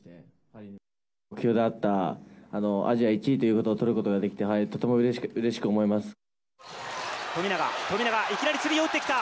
目標だったアジア１位ということを取ることができて、とても富永、富永、いきなりスリーを打ってきた。